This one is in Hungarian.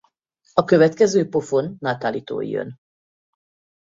A következő pofon Natalie-tól jön.